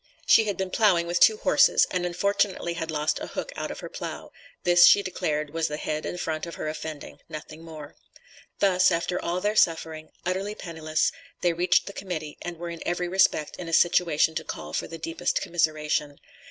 She had been ploughing with two horses, and unfortunately had lost a hook out of her plough; this, she declared was the head and front of her offending, nothing more. Thus, after all their suffering, utterly penniless, they reached the Committee, and were in every respect, in a situation to call for the deepest commiseration.